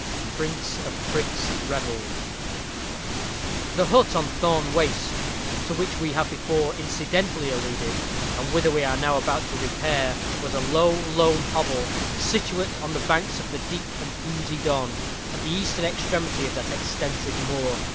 Prince of Prigs' Revels. The hut on Thorne Waste, to which we have before incidentally alluded, and whither we are now about to repair, was a low, lone hovel, situate on the banks of the deep and oozy Don, at the eastern extremity of that extensive moor.